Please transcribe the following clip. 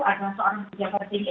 ada seorang pekerja yang sangat tinggi